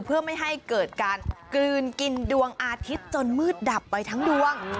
เพื่อไม่ให้เกิดการกลืนกินดวงอาทิตย์จนมืดดับไปทั้งดวง